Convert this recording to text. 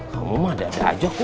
kamu mah ada ada aja kum